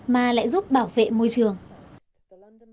mà lại giúp bảo vệ môi trường